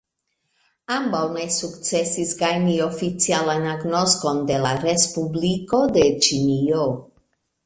Ambaŭ ne sukcesis gajni oficialan agnoskon de la respubliko de Ĉinio.